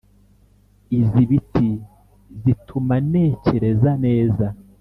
Izi biti zituma nekereza neza